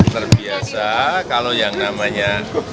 terbiasa kalau yang namanya